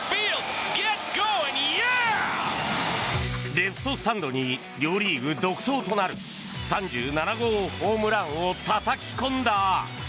レフトスタンドに両リーグ独走となる３７号ホームランをたたき込んだ。